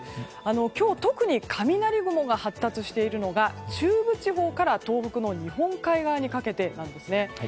今日、特に雷雲が発達しているのが中部地方から東北の日本海側にかけてなんですね。